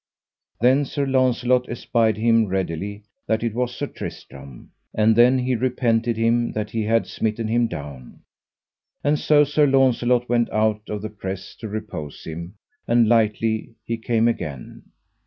Then Sir Launcelot espied him readily, that it was Sir Tristram, and then he repented him that he had smitten him down; and so Sir Launcelot went out of the press to repose him and lightly he came again.